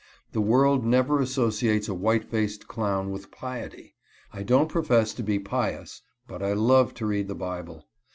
The world never associates a white faced clown with piety. I don't profess to be pious, but I love to read the Bible.